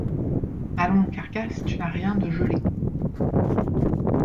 Allons, carcasse, tu n’as rien de gelé.